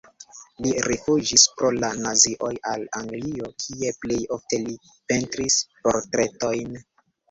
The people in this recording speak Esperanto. Li rifuĝis pro la nazioj al Anglio, kie plej ofte li pentris portretojn.